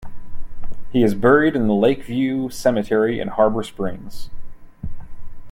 He is buried in the Lakeview Cemetery in Harbor Springs.